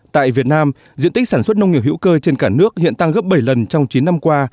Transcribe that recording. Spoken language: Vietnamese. tại việt nam diện tích sản xuất nông nghiệp hữu cơ trên cả nước hiện tăng gấp bảy lần trong chín năm qua